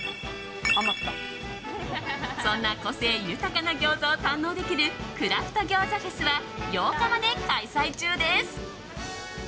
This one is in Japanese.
そんな個性豊かな餃子を堪能できるクラフト餃子フェスは８日まで開催中です。